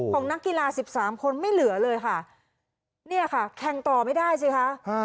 นักกีฬาสิบสามคนไม่เหลือเลยค่ะเนี่ยค่ะแข่งต่อไม่ได้สิคะ